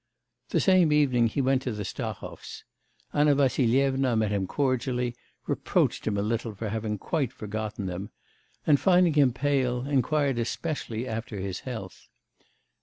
The same evening he went to the Stahovs. Anna Vassilyevna met him cordially, reproached him a little for having quite forgotten them, and, finding him pale, inquired especially after his health.